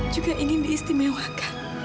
juga ingin diistimewakan